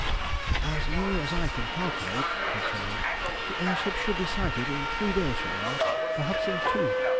"As nearly as I can calculate," said Tremayne, "the air ship should be sighted in three days from now, perhaps in two.